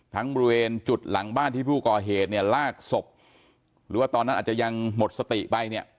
ทั้งบริเวณจุดหลังบ้านที่ผู้กอเหตุลากศพหรือตอนนั้นอาจจะยังหมดสติไป